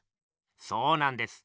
そうなんです。